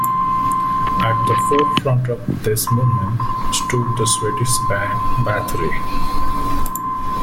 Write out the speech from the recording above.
At the forefront of this movement stood the Swedish band Bathory.